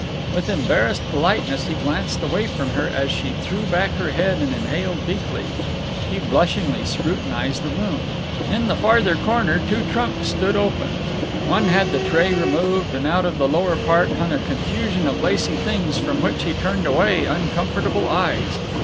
With embarrassed politeness he glanced away from her as she threw back her head and inhaled deeply. He blushingly scrutinized the room. In the farther corner two trunks stood open. One had the tray removed, and out of the lower part hung a confusion of lacey things from which he turned away uncomfortable eyes.